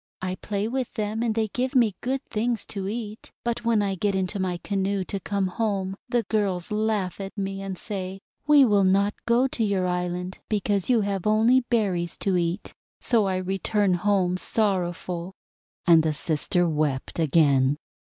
I play with them, and they give me good things to eat. But when I get into my canoe to come home, the girls laugh at me and say: 'We will not go to your island because you have only berries to eat.' So I return home sorrowful"; and the sister wept again.